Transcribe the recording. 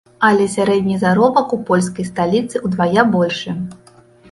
Але сярэдні заробак у польскай сталіцы ўдвая большы!